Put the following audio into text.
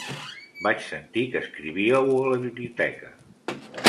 Vaig sentir que escrivíeu a la biblioteca.